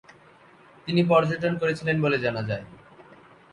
তিনি পর্যটন করেছিলেন বলে জানা যায়।